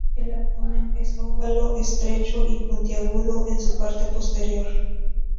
El abdomen es ovalado, estrecho y puntiagudo en su parte posterior.